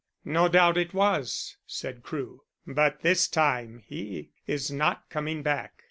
"No doubt it was," said Crewe. "But this time he is not coming back."